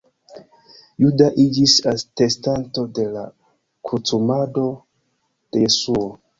Juda iĝis atestanto de la krucumado de Jesuo.